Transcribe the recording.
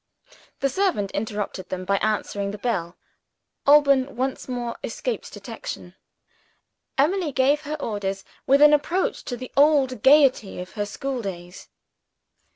The servant interrupted them by answering the bell; Alban once more escaped detection. Emily gave her orders with an approach to the old gayety of her school days.